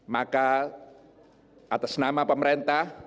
maka atas nama pemerintah